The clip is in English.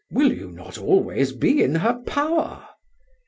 "Will you not always be in her power?"